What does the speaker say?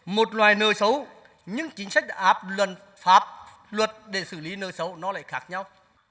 một loài nợ xấu nhưng chính sách đã áp luật pháp luật để xử lý nợ xấu nó lại khác nhau